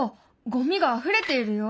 ゴミがあふれているよ！